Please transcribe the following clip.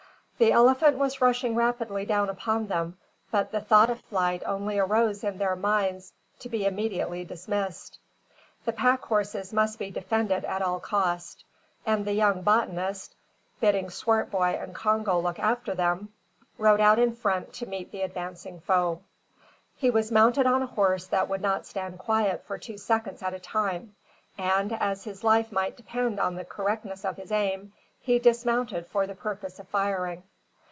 The elephant was rushing rapidly down upon them, but the thought of flight only arose in their minds to be immediately dismissed. The pack horses must be defended at all cost; and the young botanist, bidding Swartboy and Congo look after them, rode out in front to meet the advancing foe. He was mounted on a horse that would not stand quiet for two seconds at a time; and as his life might depend on the correctness of his aim, he dismounted for the purpose of firing.